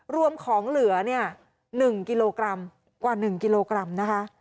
รวมของเหลือเนี่ย๑กิโลกรัมกว่า๑กิโลกรัมนะคะ